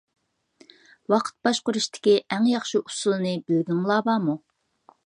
ۋاقىت باشقۇرۇشتىكى ئەڭ ياخشى ئۇسۇلنى بىلگۈڭلار بارمۇ؟